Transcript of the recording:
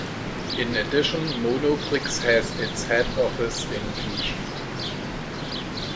In addition, Monoprix has its head office in Clichy.